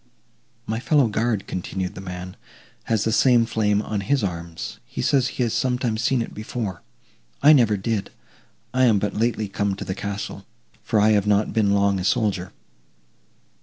"My fellow guard," continued the man, "has the same flame on his arms; he says he has sometimes seen it before. I never did; I am but lately come to the castle, for I have not been long a soldier."